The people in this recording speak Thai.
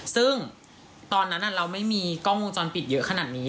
ซึ่งตอนนั้นเราไม่มีกล้องวงจรปิดเยอะขนาดนี้